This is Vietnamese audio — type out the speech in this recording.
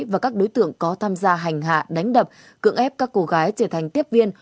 và các đối tượng có tham gia hành hạ đánh đập cưỡng ép các cô gái trở thành tiếp viên